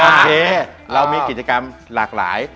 โอเคเรามีกิจกรรมหลากหลาย